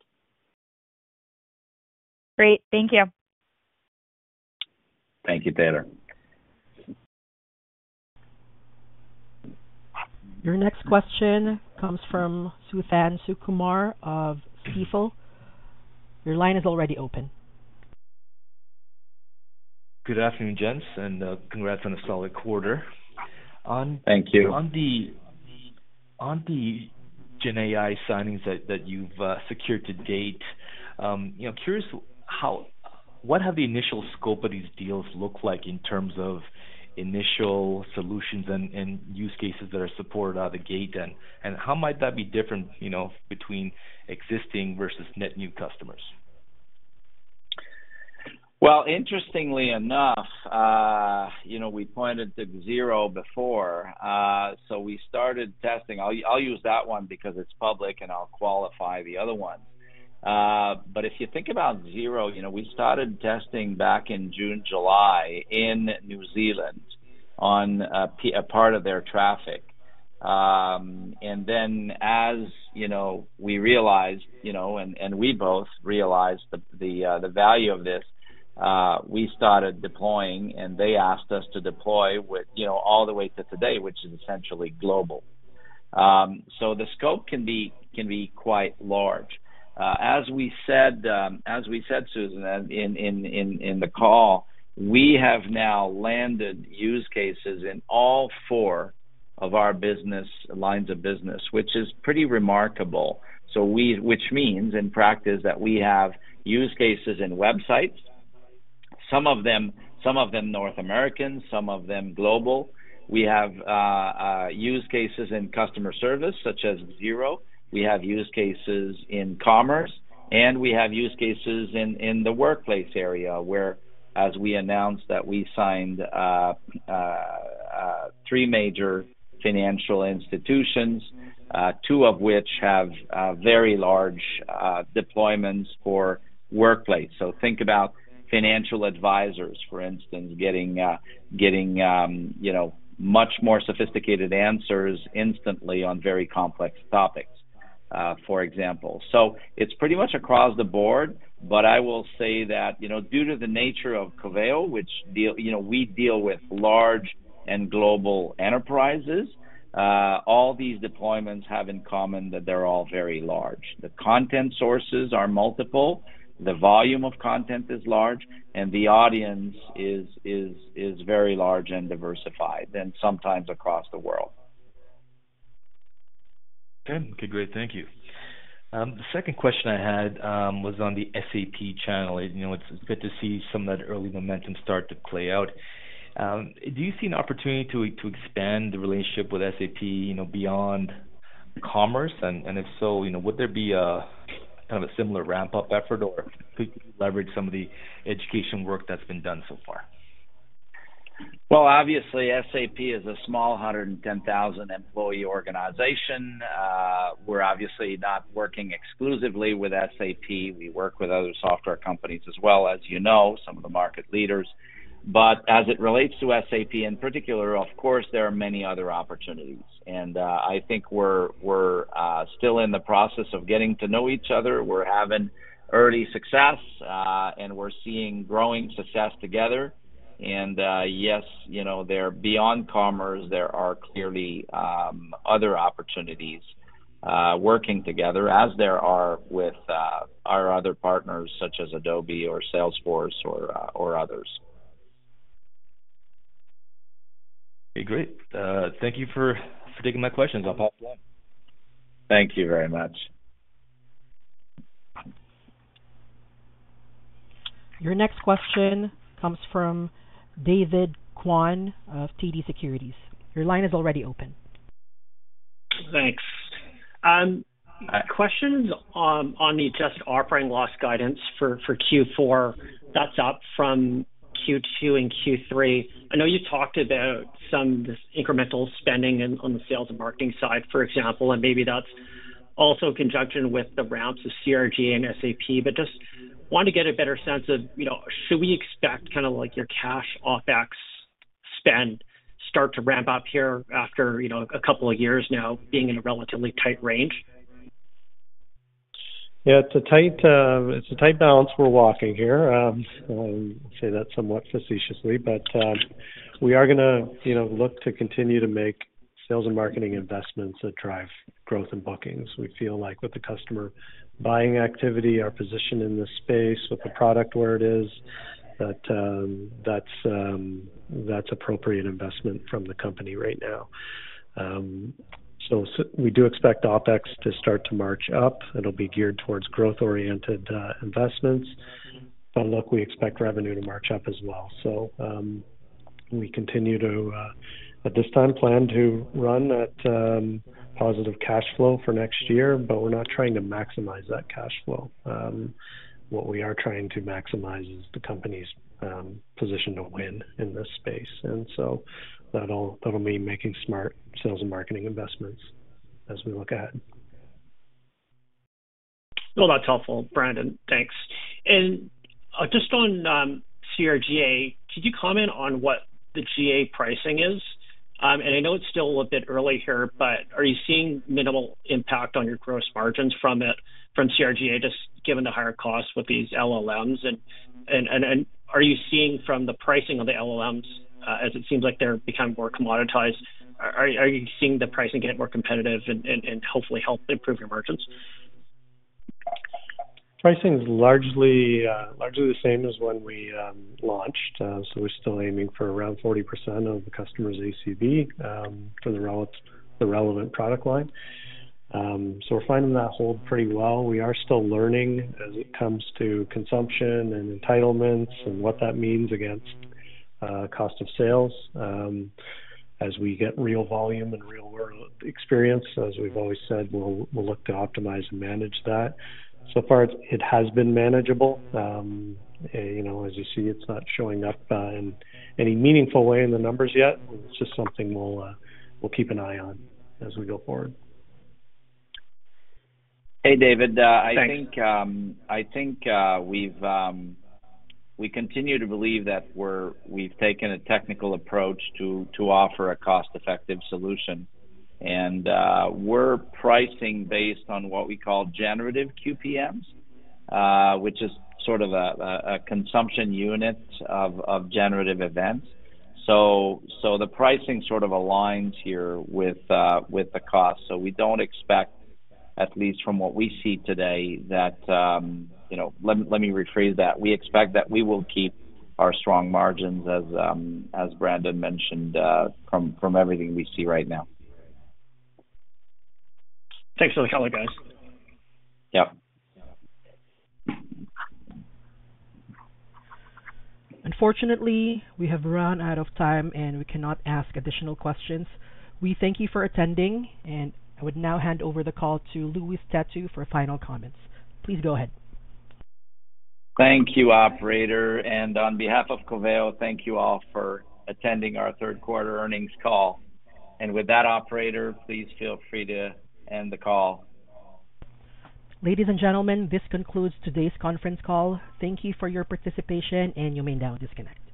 Great. Thank you. Thank you, Taylor. Your next question comes from Suthan Sukumar of Stifel. Your line is already open. Good afternoon, gents, and, congrats on a solid quarter. Thank you. On the GenAI signings that you've secured to date, I'm curious how—what have the initial scope of these deals look like in terms of initial solutions and use cases that are supported out of the gate, and how might that be different, you know, between existing versus net new customers? Well, interestingly enough, you know, we pointed to Xero before, so we started testing. I'll use that one because it's public, and I'll qualify the other one. But if you think about Xero, you know, we started testing back in June, July, in New Zealand on a part of their traffic. And then as you know, we realized, you know, and we both realized the value of this, we started deploying, and they asked us to deploy with, you know, all the way to today, which is essentially global. So the scope can be quite large. As we said, Suthan, in the call, we have now landed use cases in all four of our business lines of business, which is pretty remarkable. So, which means in practice, that we have use cases in websites, some of them, some of them North American, some of them global. We have use cases in customer service such as Xero. We have use cases in commerce, and we have use cases in the workplace area, where, as we announced, that we signed three major financial institutions, two of which have very large deployments for workplace. So think about financial advisors, for instance, getting you know, much more sophisticated answers instantly on very complex topics, for example. So it's pretty much across the board, but I will say that, you know, due to the nature of Coveo, which deal, you know, we deal with large and global enterprises, all these deployments have in common that they're all very large. The content sources are multiple, the volume of content is large, and the audience is very large and diversified, and sometimes across the world. Okay, great. Thank you. The second question I had was on the SAP channel. You know, it's good to see some of that early momentum start to play out. Do you see an opportunity to, to expand the relationship with SAP, you know, beyond commerce? And, and if so, you know, would there be a, kind of a similar ramp-up effort, or could you leverage some of the education work that's been done so far? Well, obviously, SAP is a small 110,000-employee organization. We're obviously not working exclusively with SAP. We work with other software companies as well, as you know, some of the market leaders. But as it relates to SAP in particular, of course, there are many other opportunities, and I think we're still in the process of getting to know each other. We're having early success, and we're seeing growing success together. And yes, you know, there beyond commerce, there are clearly other opportunities working together as there are with our other partners, such as Adobe or Salesforce or others. Okay, great. Thank you for taking my questions. I'll pass it on. Thank you very much. Your next question comes from David Kwan of TD Securities. Your line is already open. Thanks. Questions on the just operating loss guidance for Q4. That's up from Q2 and Q3. I know you talked about some incremental spending on the sales and marketing side, for example, and maybe that's also in conjunction with the ramps of CRGA and SAP. But just want to get a better sense of, you know, should we expect kind of like your cash OpEx spend start to ramp up here after, you know, a couple of years now being in a relatively tight range? Yeah, it's a tight, it's a tight balance we're walking here. I say that somewhat facetiously, but, we are gonna, you know, look to continue to make sales and marketing investments that drive growth and bookings. We feel like with the customer buying activity, our position in this space, with the product where it is, that, that's, that's appropriate investment from the company right now. So we do expect OpEx to start to march up. It'll be geared towards growth-oriented, investments. But look, we expect revenue to march up as well. So, we continue to, at this time, plan to run at, positive cash flow for next year, but we're not trying to maximize that cash flow. What we are trying to maximize is the company's position to win in this space, and so that'll mean making smart sales and marketing investments as we look at. Well, that's helpful, Brandon. Thanks. And just on CRGA, could you comment on what the GA pricing is? And I know it's still a bit early here, but are you seeing minimal impact on your gross margins from it, from CRGA, just given the higher costs with these LLMs? And are you seeing from the pricing of the LLMs, as it seems like they're becoming more commoditized, are you seeing the pricing get more competitive and hopefully help improve your margins? Pricing is largely, largely the same as when we launched. So we're still aiming for around 40% of the customer's ACV for the relevant product line. So we're finding that hold pretty well. We are still learning as it comes to consumption and entitlements and what that means against cost of sales. As we get real volume and real world experience, as we've always said, we'll, we'll look to optimize and manage that. So far, it has been manageable. You know, as you see, it's not showing up in any meaningful way in the numbers yet. It's just something we'll, we'll keep an eye on as we go forward. Hey, David. Thanks. I think, I think, we've, we continue to believe that we're- we've taken a technical approach to, to offer a cost-effective solution. And, we're pricing based on what we call generative QPMs, which is sort of a, a consumption unit of, of generative events. So, so the pricing sort of aligns here with, with the cost. So we don't expect, at least from what we see today, that, you know... Let, let me rephrase that. We expect that we will keep our strong margins, as, as Brandon mentioned, from, from everything we see right now. Thanks for the color, guys. Yep. Unfortunately, we have run out of time, and we cannot ask additional questions. We thank you for attending, and I would now hand over the call to Louis Têtu for final comments. Please go ahead. Thank you, operator, and on behalf of Coveo, thank you all for attending our third quarter earnings call. With that, operator, please feel free to end the call. Ladies and gentlemen, this concludes today's conference call. Thank you for your participation, and you may now disconnect.